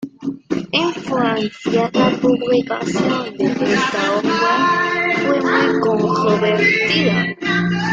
En Francia, la publicación de esta obra fue muy controvertida.